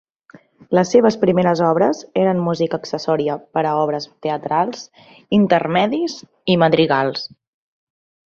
Les seves primeres obres eren música accessòria per a obres teatrals, intermedis i madrigals.